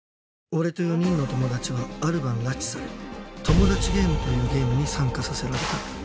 俺と４人の友達はある晩拉致されトモダチゲームというゲームに参加させられた